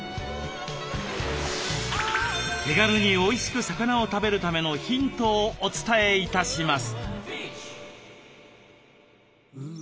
手軽においしく魚を食べるためのヒントをお伝え致します。